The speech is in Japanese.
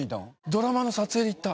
ドラマの撮影で行った。